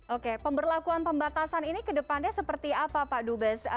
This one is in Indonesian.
oke pemberlakuan pembatasan ini ke depannya seperti apa pak dubes